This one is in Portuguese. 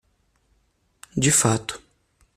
De fato